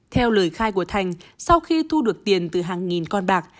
theo lời khai của thành sau khi thu được tiền từ hàng nghìn con bạc